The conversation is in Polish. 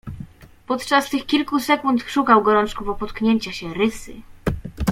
Podczas tych kilku sekund szukał gorączkowo potknięcia się, rysy.